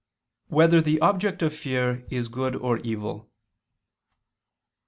1] Whether the Object of Fear Is Good or Evil?